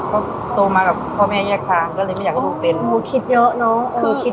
ก็โตมากับพ่อแม่แยกทางก็เลยไม่อยากให้ลูกเป็นลูกคิดเยอะเนอะคือคิด